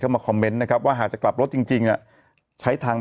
มาคอมเมนต์นะครับว่าหากจะกลับรถจริงจริงอ่ะใช้ทาง